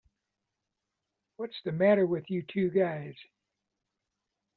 What's the matter with you two guys?